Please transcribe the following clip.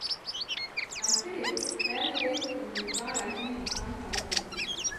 Atceries, tēvs teica, ka man ir pārāk dzīva fantāzija?